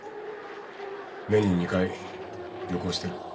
年に２回旅行してる。